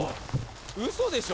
うそでしょ？